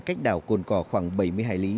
cách đảo cồn cỏ khoảng bảy mươi hải lý